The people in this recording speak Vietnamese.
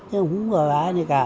chứ không có ai như cả